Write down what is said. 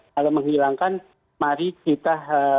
kalau menghilangkan mari kita